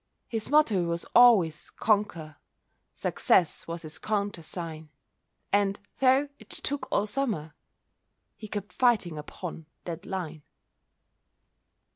His motto was always "Conquer," "Success" was his countersign, And "though it took all Summer," He kept fighting upon "that line."